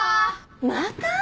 ・また？